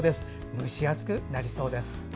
蒸し暑くなりそうです。